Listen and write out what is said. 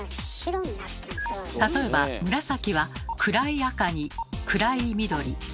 例えば紫は暗い赤に暗い緑暗い青。